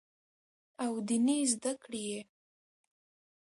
او ديني زدکړې ئې